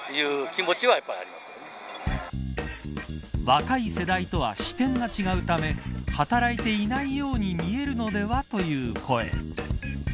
若い世代とは視点が違うため働いていないように見えるのではという声。